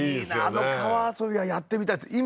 あの川遊びはやってみたいです